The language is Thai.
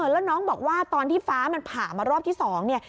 แล้วน้องบอกว่าตอนที่ฟ้ามันผ่ามารอบที่๒เนี่ย